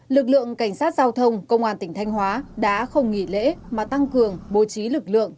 lực lượng cảnh sát giao thông công an tỉnh thanh hóa đã không nghỉ lễ mà tăng cường bố trí lực lượng